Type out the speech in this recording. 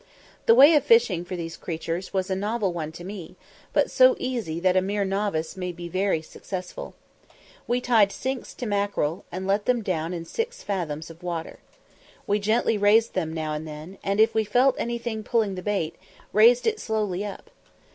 The way of fishing for these creatures was a novel one to me, but so easy that a mere novice may be very successful. We tied sinks to mackerel, and let them down in six fathoms water. We gently raised them now and then, and, if we felt anything pulling the bait, raised it slowly up.